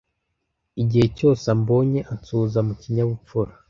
Igihe cyose ambonye, ansuhuza mu kinyabupfura.